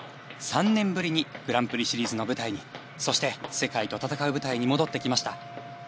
３年ぶりにグランプリシリーズの舞台にそして、世界と戦う舞台に戻ってきました。